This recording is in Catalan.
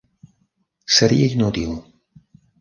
Seria inútil.